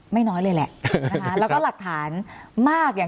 ไม่น้อยเลยแหละแล้วก็หลักฐานมาก